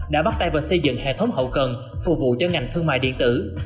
đã bắt tay vào xây dựng hệ thống hậu cần phục vụ cho ngành thương mại điện tử